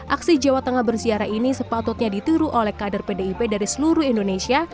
aksi jawa tengah bersiara ini sepatutnya ditiru oleh kader pdip dari seluruh indonesia